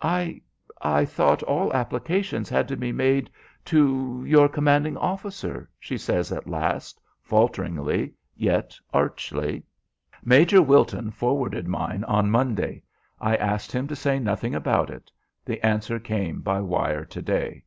"I I thought all applications had to be made to your commanding officer," she says at last, falteringly, yet archly. "Major Wilton forwarded mine on Monday. I asked him to say nothing about it. The answer came by wire to day."